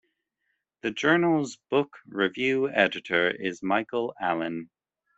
The journal's book review editor is Michael Allen.